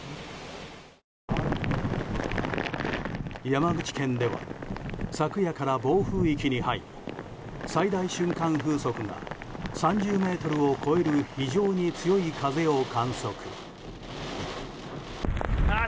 山口県では昨夜から暴風域に入り最大瞬間風速が３０メートルを超える非常に強い風を観測。